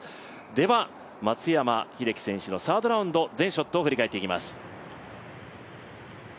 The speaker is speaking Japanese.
では、松山英樹選手のサードラウンド全ショットを振り返っていきます。